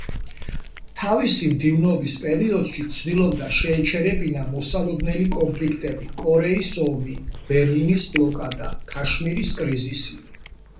თავისი მდივნობის პერიოდში ცდილობდა შეეჩერებინა მოსალოდნელი კონფლიქტები კორეის ომი, ბერლინის ბლოკადა, ქაშმირის კრიზისი.